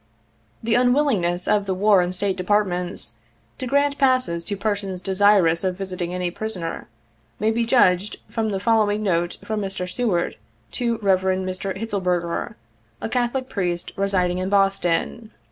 The unwillingness of the War and State Departments to grant passes to persons desirous of visiting any prisoner, may be judged from the following note from Mr. Seward to Kev. Mr. Hitselberger, a Catholic priest residing in Boston.